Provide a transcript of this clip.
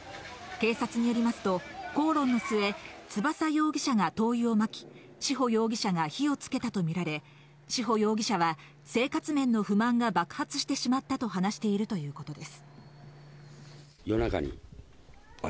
警察によりますと、口論の末、翼容疑者が灯油をまき、志保容疑者が火をつけたとみられ、志保容疑者は生活面の不満が爆発してしまったと話しているということです。